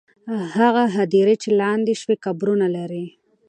هغه هدیرې چې لاندې شوې، قبرونه لري.